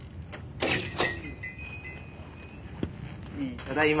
ただいま。